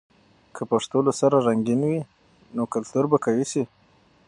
که پښتو له سره رنګین وي، نو کلتور به قوي سي.